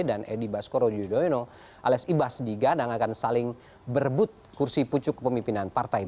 dan eribaskoro yudhoyono alias ibas di gadang akan saling berebut kursi pucuk pemimpinan partai